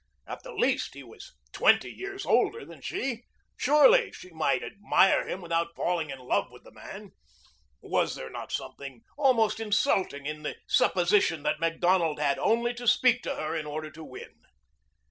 At the least he was twenty years older than she. Surely she might admire him without falling in love with the man. Was there not something almost insulting in the supposition that Macdonald had only to speak to her in order to win?